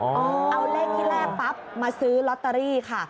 เอาเลขที่แรกปั๊บมาซื้อลอตเตอรี่ค่ะ